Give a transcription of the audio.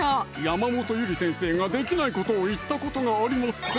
山本ゆり先生ができないことを言ったことがありますか？